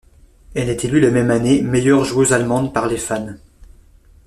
Elle est élue la même année meilleure joueuse allemande par les fans.